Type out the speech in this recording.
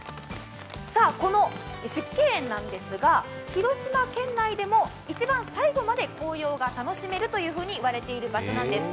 この縮景園なんですが広島県内でも一番最後まで紅葉が楽しめるというふうに言われている場所なんです。